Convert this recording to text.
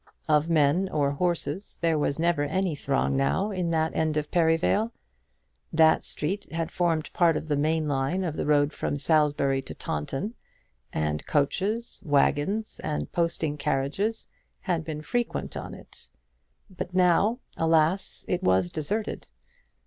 Of men or horses there was never any throng now in that end of Perivale. That street had formed part of the main line of road from Salisbury to Taunton, and coaches, waggons, and posting carriages had been frequent on it; but now, alas! it was deserted.